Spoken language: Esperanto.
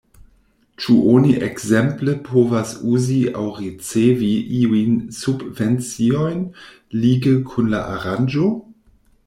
Ĉu oni ekzemple povas uzi aŭ ricevi iujn subvenciojn lige kun la aranĝo?